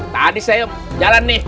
tadi saya jalan nih